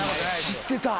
知ってた？